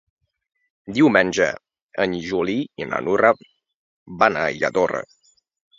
Diumenge en Juli i na Nura van a Lladorre.